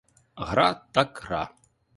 Гра — так гра!